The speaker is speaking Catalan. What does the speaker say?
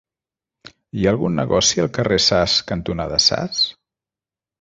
Hi ha algun negoci al carrer Sas cantonada Sas?